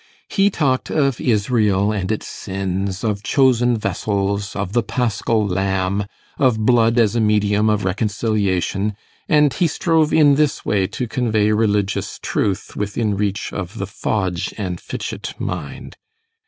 He talked of Israel and its sins, of chosen vessels, of the Paschal lamb, of blood as a medium of reconciliation; and he strove in this way to convey religious truth within reach of the Fodge and Fitchett mind.